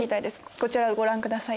こちらをご覧ください。